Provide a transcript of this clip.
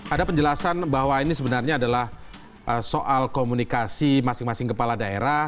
ada penjelasan bahwa ini sebenarnya adalah soal komunikasi masing masing kepala daerah